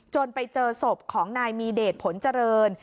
ไปเจอศพของนายมีเดชผลเจริญ